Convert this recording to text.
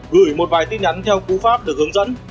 gửi một vài tin nhắn theo cú pháp được hướng dẫn